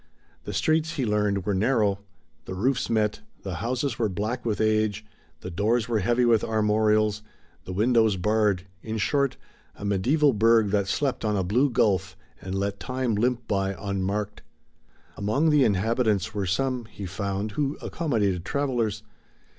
The streets, he learned, were narrow; the roofs met; the houses were black with age; the doors were heavy with armorials; the windows barred in short, a mediæval burg that slept on a blue gulf and let Time limp by unmarked. Among the inhabitants were some, he found, who accommodated travelers.